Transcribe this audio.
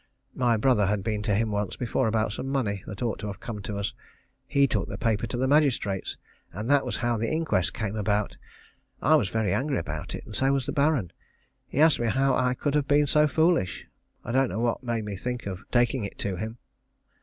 My brother had been to him once before about some money that ought to have come to us. He took the paper to the magistrates, and that was how the inquest came about. I was very angry about it, and so was the Baron. He asked me how I could have been so foolish. I don't know what made me think of taking it to him.